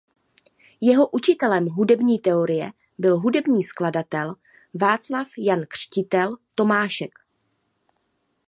Jeho učitelem hudební teorie byl hudební skladatel Václav Jan Křtitel Tomášek.